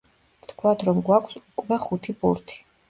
ვთქვათ, რომ გვაქვს უკვე ხუთი ბურთი.